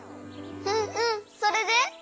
うんうんそれで？